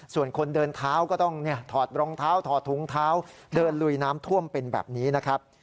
ส่วนคนเดินเท้าก็ต้องถอดรองเท้าถอดถุงเท้าเดินลุยน้ำท่วมเป็นแบบนี้นะครับ